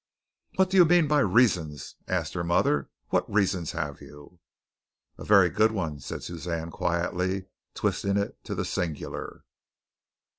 "What do you mean by reasons?" asked her mother. "What reasons have you?" "A very good one," said Suzanne quietly, twisting it to the singular.